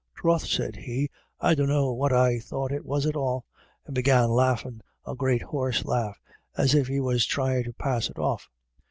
'Troth,' sez he, 'I dunno what I thought it was at all,' and began laughin' a great horse laugh, as if he was thryin' to pass it off.